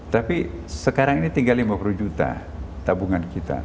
tapi sekarang ini tinggal lima puluh juta tabungan kita